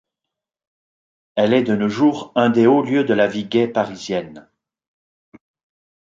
Elle est de nos jours un des hauts lieux de la vie gay parisienne.